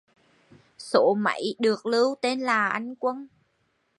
Số máy được lưu tên là anh quân